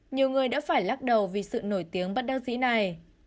nhiều người đã phải lắc đầu vì sự nổi tiếng bất đắc dĩ này